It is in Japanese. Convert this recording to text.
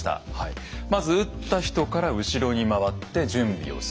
まず撃った人から後ろに回って準備をする。